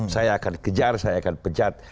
saya akan kejar saya akan pecat